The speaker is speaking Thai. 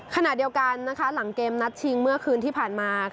ขณะเดียวกันหลังเกมนัดชิงเมื่อคืนที่ผ่านมา